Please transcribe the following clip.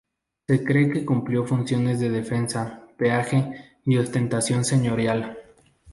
Se cree que cumplió funciones de defensa, peaje y ostentación señorial.